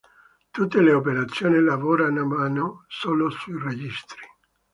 Tutte le operazioni lavoravano solo sui registri.